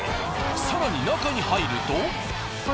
更に中に入ると。